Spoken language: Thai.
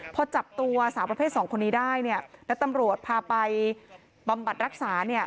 พอจับตัวสาวประเภทสองคนนี้ได้เนี่ยแล้วตำรวจพาไปบำบัดรักษา